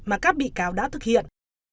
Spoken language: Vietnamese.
mà các bị cáo đã thực hiện